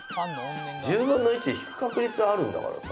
１０分の１で引く確率はあるんだからさ。